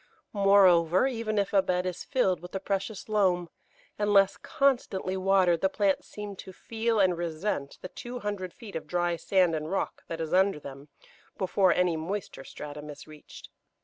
Moreover, even if a bed is filled with the precious loam, unless constantly watered the plants seem to feel and resent the two hundred feet of dry sand and rock that is under them before any moister stratum is reached.